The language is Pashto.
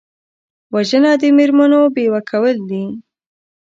وژنه د مېرمنو بیوه کول دي